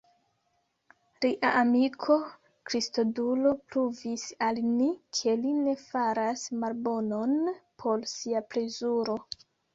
Lia amiko Kristodulo pruvis al ni, ke li ne faras malbonon por sia plezuro.